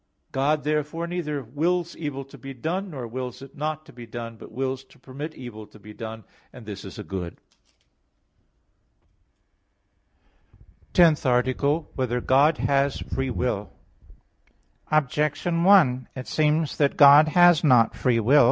God therefore neither wills evil to be done, nor wills it not to be done, but wills to permit evil to be done; and this is a good. _______________________ TENTH ARTICLE [I, Q. 19, Art. 10] Whether God Has Free Will? Objection 1: It seems that God has not free will.